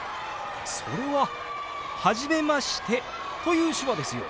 それは「初めまして」という手話ですよ。